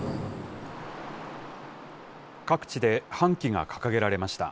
各地で半旗が掲げられました。